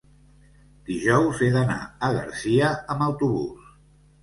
dijous he d'anar a Garcia amb autobús.